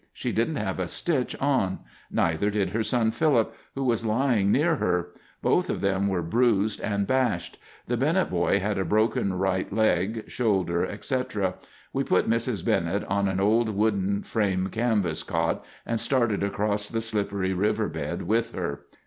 She didn't have a stitch on. Neither did her son, Phillip, who was lying near her. Both of them were bruised and bashed. The Bennett boy had a broken right leg, shoulder, etc. We put Mrs. Bennett on an old wooden frame canvas cot and started across the slippery river bed with her.